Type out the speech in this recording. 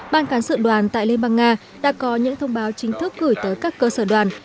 ban cán sự đoàn tại liên bang nga đã có những thông báo chính thức gửi tới các cơ sở đoàn